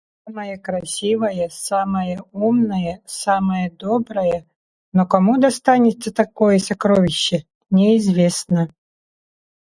Самая красивая, самая умная, самая добрая, но кому достанется такое сокровище неизвестно